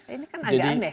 ini kan agak aneh